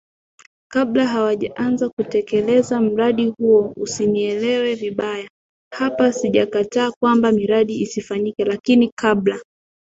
kabla hawajaanza kutekeleza mradi huo Usinielewe vibaya hapa sijakataa kwamba miradi isifanyike lakini kabla